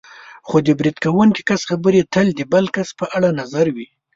خو د برید کوونکي کس خبرې تل د بل کس په اړه نظر وي.